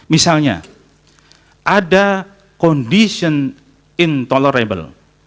misalnya ada condition intolerable